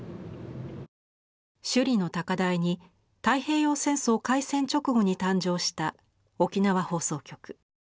首里の高台に太平洋戦争開戦直後に誕生した沖縄放送局。